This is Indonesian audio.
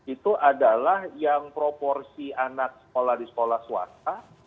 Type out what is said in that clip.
itu adalah yang proporsi anak sekolah di sekolah swasta